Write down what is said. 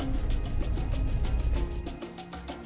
ini rumah sakit